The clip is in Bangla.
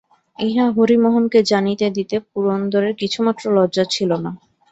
ইহা হরিমোহনকে জানিতে দিতে পুরন্দরের কিছুমাত্র লজ্জা ছিল না।